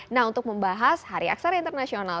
nah untuk membahas hari aksara internasional